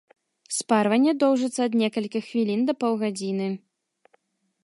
Спарванне доўжыцца ад некалькіх хвілін да паўгадзіны.